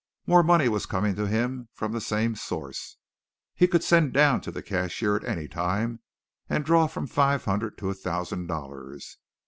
More money was coming to him from the same source. He could send down to the cashier at any time and draw from five hundred to a thousand dollars.